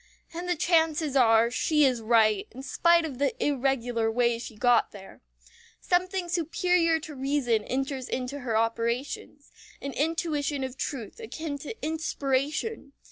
And the chances are she is right, in spite of the irregular way she got there. Something superior to reason enters into her operations an intuition of truth akin to inspiration.